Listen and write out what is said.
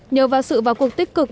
nhờ vào sự và cuộc tích cực